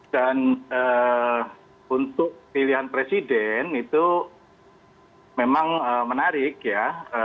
dan untuk pilihan presiden itu memang menarik ya